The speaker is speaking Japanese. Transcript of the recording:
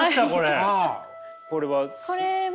これは？